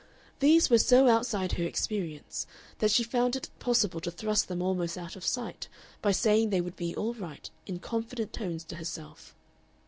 These were so outside her experience that she found it possible to thrust them almost out of sight by saying they would be "all right" in confident tones to herself.